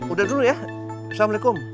udah dulu ya assalamualaikum